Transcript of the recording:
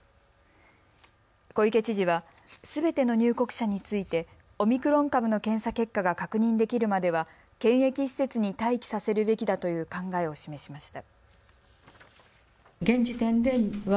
小池知事はすべての入国者についてオミクロン株の検査結果が確認できるまでは検疫施設に待機させるべきだという考えを示しました。